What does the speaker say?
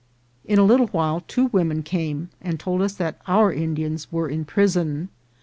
In a little while two women came and told us that our Indians were in prison.